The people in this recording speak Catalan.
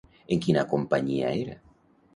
En quina companyia era?